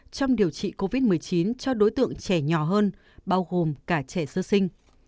trong điều trị covid một mươi chín cho đối tượng trẻ nhỏ hơn bao gồm cả trẻ sơ sinh